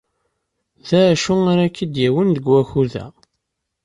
D acu ara k-id-awin deg wakud-a?